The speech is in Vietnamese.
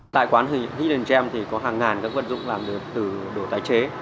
tại quán hidden gem thì có hàng ngàn các vận dụng làm được từ đồ tái chế